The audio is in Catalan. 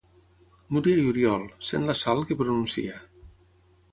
Núria i Oriol, sent la Sal que pronuncia.